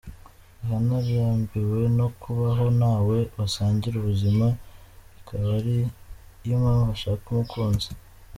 Rihanna arambiwe no kubaho ntawe basangira ubuzima, ikba ari yo mpamvu ashaka umukunzi.